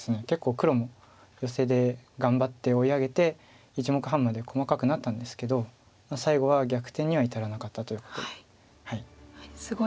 結構黒もヨセで頑張って追い上げて１目半まで細かくなったんですけど最後は逆転には至らなかったということで。